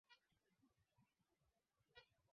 mwa China katika milenia ya kwanza Waturuki walihusika